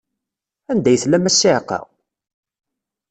Anda ay tellam a ssiɛqa?